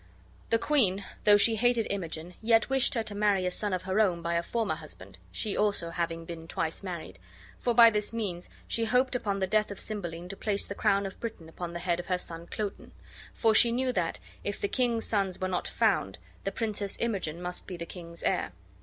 The queen, though she hated Imogen, yet wished her to marry a son of her own by a former husband (she also having been twice married), for by this means she hoped upon the death of Cymbeline to place the crown of Britain upon the head of her son Cloten; for she knew that, if the king's sons were not found, the Princess Imogen must be the king's heir.